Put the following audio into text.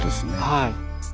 はい。